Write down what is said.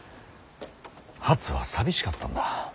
初は寂しかったんだ。